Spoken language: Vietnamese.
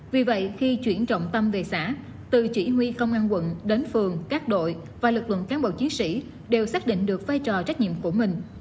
vì vậy khi chuyển trọng tâm về xã từ chỉ huy công an quận đến phường các đội và lực lượng cán bộ chiến sĩ đều xác định được vai trò trách nhiệm của mình